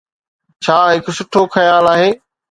ڇا هڪ سٺو خيال آهي.